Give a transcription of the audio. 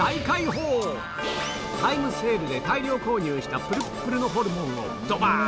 タイムセールで大量購入したプルップルのをドバ！